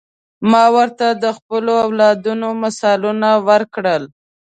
ما ورته د خپلو اولادونو مثالونه ورکړل.